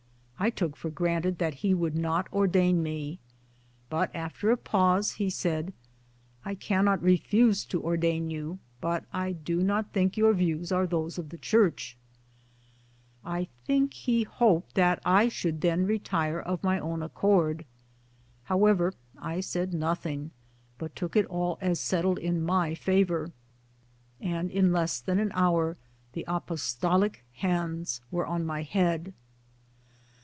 I took for granted that he would not ordain me ; but after a pause he said " I cannot refuse to ordain you ; but I do not think your views are those of the Church." I think Jie hoped that / should then retire of my own accord. However I said nothing but took it all as settled in my favour, and in less than an hour the apostolic hands were on my head.